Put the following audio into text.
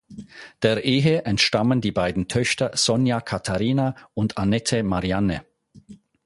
Der Ehe entstammen die beiden Töchter Sonja Katharina und Annette Marianne.